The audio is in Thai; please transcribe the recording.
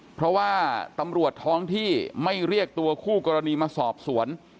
เพราะว่าตำรวจท้องที่ไม่เรียกตัวคู่กรณีมาสอบสวน